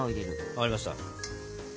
分かりました。